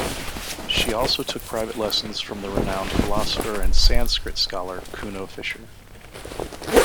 She also took private lessons from the renowned philosopher and Sanscrit scholar Kuno Fischer.